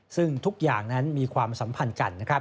ซึ่งทุกอย่างนั้นมีความสัมพันธ์กันนะครับ